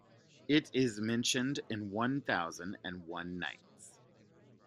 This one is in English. It is mentioned in "One Thousand and One Nights".